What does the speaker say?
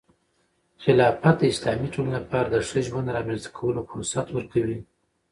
خلافت د اسلامي ټولنې لپاره د ښه ژوند رامنځته کولو فرصت ورکوي.